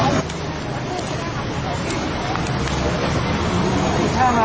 พี่หนุ่ม